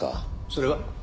それは？